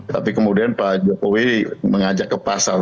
tapi kemudian pak jokowi mengajak ke pasar